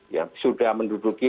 yang sudah menduduki